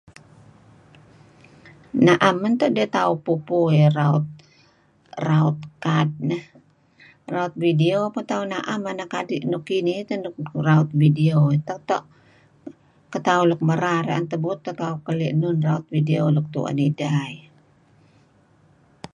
Na'em mento ditauh pupu eh raut raut kad neh , raut video peh tauh na'em . Anak adi' luk kinih teh nuk raut video neto'. Ketauh luk merar eh na'em tebuut teh tauh keli raut video luk tu'en idah eh.